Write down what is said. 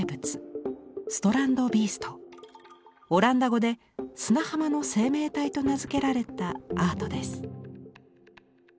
オランダ語で「砂浜の生命体」と名付けられたアートです。